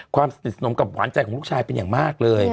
ความสนิทสนมกับหวานใจของลูกชายเป็นอย่างมากเลย